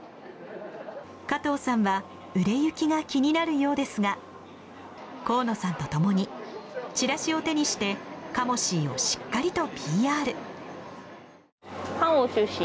加藤さんは売れ行きが気になるようですが河野さんと共にチラシを手にしてカモシーをしっかりとＰＲ。